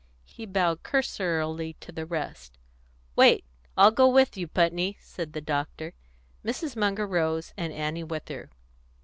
He bowed cursorily to the rest. "Wait I'll go with you, Putney," said the doctor. Mrs. Munger rose, and Annie with her.